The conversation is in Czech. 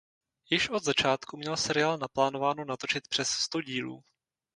Již od začátku měl seriál naplánováno natočit přes sto dílů.